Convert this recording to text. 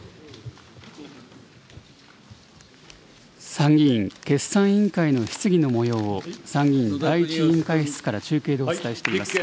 参議院決算委員会の質疑のもようを参議院第１委員会室から中継でお伝えしています。